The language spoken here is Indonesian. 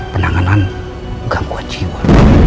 penanganan gangguan jiwa